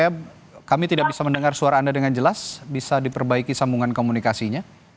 ya kami tidak bisa mendengar suara anda dengan jelas bisa diperbaiki sambungan komunikasinya